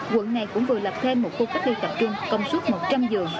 quận này cũng vừa lập thêm một khu cách ly tập trung công suất một trăm linh giường